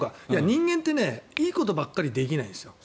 人間っていいことばっかりできないんですよ。